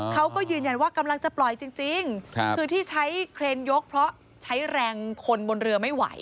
เขาก็ยืนยันว่ากำลังจะปล่อยจริงคือที่ใช้เครนยกเพราะใช้แรงคนบนเรือไม่ไหว